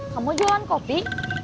kamu jualan kopi